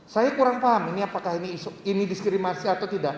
saya kurang paham ini apakah ini diskrimasi atau tidak